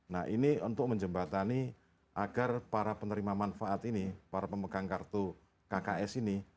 nah ini untuk menjembatani agar para penerima manfaat ini para pemegang kartu kks ini